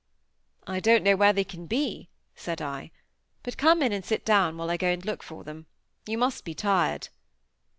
"I don't know where they can be," said I. "But come in and sit down while I go and look for them. You must be tired."